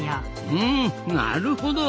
うんなるほど！